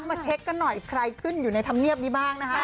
มาเช็คกันหน่อยใครขึ้นอยู่ในธรรมเนียบนี้บ้างนะคะ